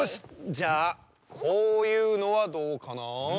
じゃあこういうのはどうかなあ。